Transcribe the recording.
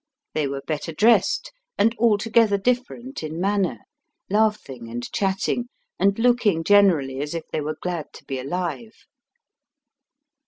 They were better dressed and altogether different in manner, laughing and chatting, and looking generally as if they were glad to be alive.